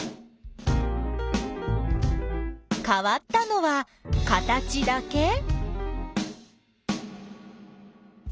かわったのは形だけ？